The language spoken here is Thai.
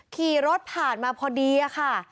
ขี่รถผ่านมาพอดีค่ะ